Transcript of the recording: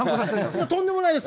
とんでもないです。